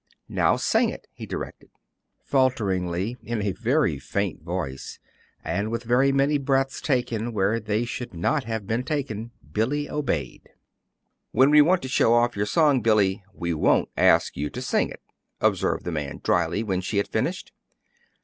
"Now, sing it," he directed. Falteringly, in a very faint voice, and with very many breaths taken where they should not have been taken, Billy obeyed. "When we want to show off your song, Billy, we won't ask you to sing it," observed the man, dryly, when she had finished.